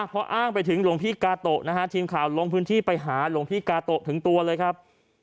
พออ้างไปถึงหลวงพี่กาโตะนะฮะทีมข่าวลงพื้นที่ไปหาหลวงพี่กาโตะถึงตัวเลยครับ